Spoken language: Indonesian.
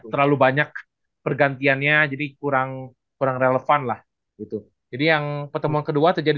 terlalu banyak pergantiannya jadi kurang kurang relevan lah gitu jadi yang pertemuan kedua terjadi